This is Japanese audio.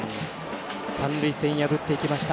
三塁線破っていきました。